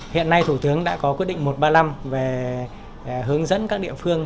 hiện nay thủ tướng đã có quyết định một trăm ba mươi năm về hướng dẫn các địa phương